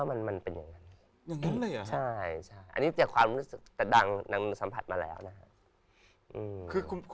อันนี้จากความรู้สึกตะดังนางสัมผัสมาแล้วนะครับ